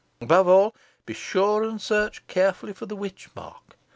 Above all, be sure and search carefully for the witch mark.